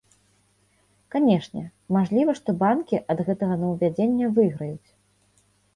Канешне, мажліва, што банкі ад гэтага новаўвядзення выйграюць.